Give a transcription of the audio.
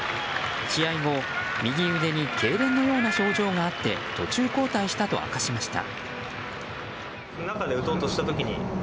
試合後、右腕にけいれんのような症状があって途中交代したと明かしました。